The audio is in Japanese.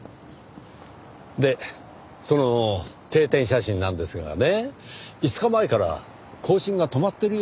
でその定点写真なんですがね５日前から更新が止まってるようなんですよ。